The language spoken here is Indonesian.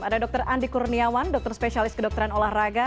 ada dr andi kurniawan dokter spesialis kedokteran olahraga